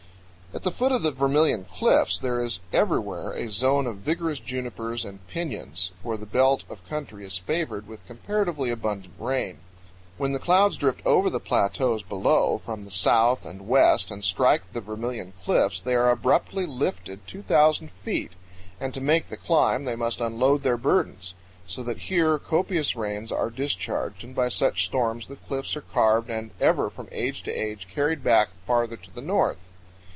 At the foot of the Vermilion Cliffs there is everywhere a zone of vigorous junipers and piñons, for the belt of country is favored with comparatively abundant rain. When the clouds drift over the plateaus below from the south and west and strike the Vermilion Cliffs, they are abruptly lifted 2,000 feet, and to make the climb they must unload their burdens; so that here copious rains are discharged, and by such storms the cliffs are carved and ever from age to age carried back farther to the north.